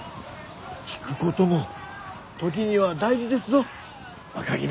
退くことも時には大事ですぞ若君。